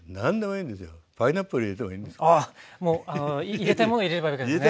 入れたいもの入れればいいわけですね。